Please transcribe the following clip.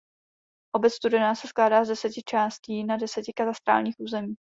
Obec Studená se skládá z deseti částí na deseti katastrálních územích.